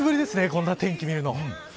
こんな天気を見るの。